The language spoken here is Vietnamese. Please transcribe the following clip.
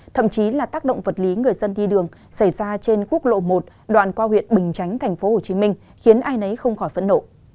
thậm chí là tác động vật lý người dân đi đường xảy ra trên quốc lộ một đoạn qua huyện bình chánh tp hcm khiến ai nấy không khỏi phẫn nộ